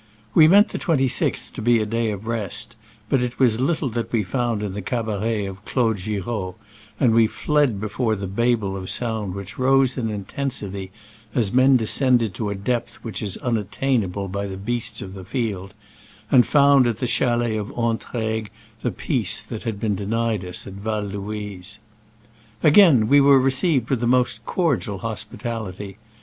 •We meant the 26th to be a day of rest, but it was little that we found in the cabaret of Claude Giraud, and we fled before the babel of sound which rose in intensity as men descended to a depth which is unattainable by the beasts of the field, and found at the chalets of Entraigues the peace that had been de nied to us at Val Louise. Again we were received with the most cordial hospitality.